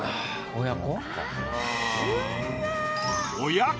親子？